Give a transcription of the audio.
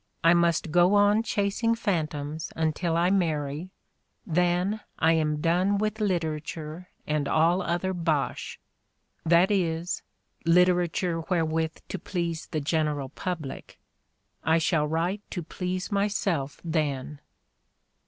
"I must go on chasing [phantoms] until I marry, then I am done with literature and all other bosh — that is, literature wherewith to please the general public. I shall write to please myself then."